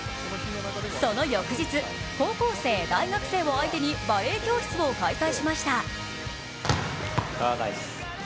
その翌日、高校生・大学生を相手にバレー教室を開催しました。